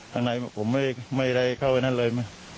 อันไหนผมไม่ได้เข้าไปนั่นเลย